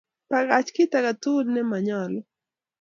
Pakach kit age tugul ne manyalu.